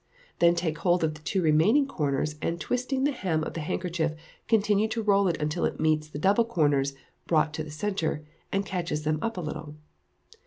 Then take hold of the two remaining corners, and twisting the hem of the handkerchief, continue to roll it until it meets the double corners brought to the centre, and catches them up a little.